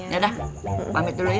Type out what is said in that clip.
ya dah pamit dulu ya